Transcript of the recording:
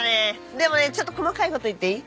でもねちょっと細かいこと言っていい？